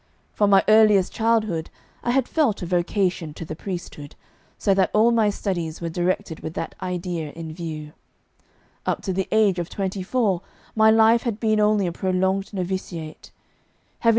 From my earliest childhood I had felt a vocation to the priesthood, so that all my studies were directed with that idea in view. Up to the age of twenty four my life had been only a prolonged novitiate.